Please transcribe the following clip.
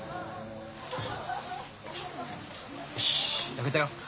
よし焼けたよ。